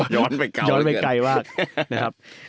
ย้อนไปไกลมาก